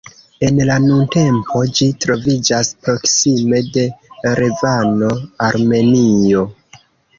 En la nuntempo ĝi troviĝas proksime de Erevano, Armenio.